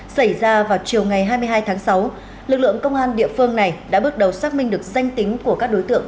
xảy ra vào chiều ngày hai mươi hai tháng sáu lực lượng công an địa phương này đã bước đầu xác minh được danh tính của các đối tượng